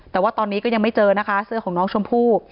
แต่ว่าตอนนี้ก็ยังไม่เจอนะคะเสื้อของน้องชมพู่